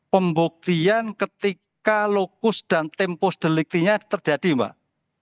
pembuktian ketika lokus dan tempos deliktinya terjadi mbak